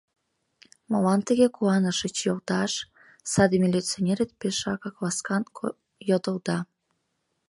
— Молан тыге куанышыч, йолташ? — саде милиционерет пешакак ласкан йодылда.